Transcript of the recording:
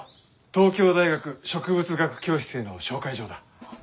東京大学植物学教室への紹介状だ。